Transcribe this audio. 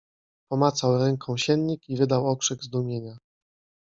Pomacał ręką siennik i wydał okrzyk zdumienia.